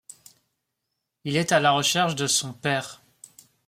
Il est à la recherche de son père.